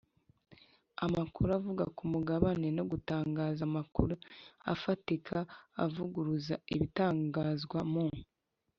amakuru avuga ku mugabane no gutangaza amakuru afatika avuguruza ibitangazwa mu